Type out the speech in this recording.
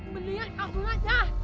beli di kampung aja